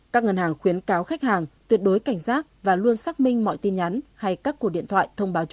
các ngân hàng khuyến cáo khách hàng tuyệt đối cảnh giác và luôn xác minh mọi tin nhắn hay các cuộc điện thoại